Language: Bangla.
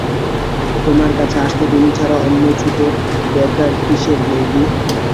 তোমার কাছে আসতে তুমি ছাড়া অন্য ছুতোর দরকার কিসের বউদি।